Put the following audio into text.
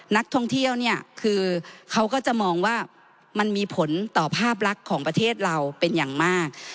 นักท่องเที่ยวเนี่ยคือเขาก็จะมองว่ามันมีผลต่อภาพลักษณ์ของประเทศเราเป็นอย่างมาก